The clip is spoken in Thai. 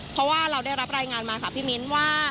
เพราะว่าเราได้รับรายงานมาค่ะพี่มิ้นว่า